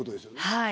はい。